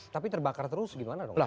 tapi terbakar terus gimana dong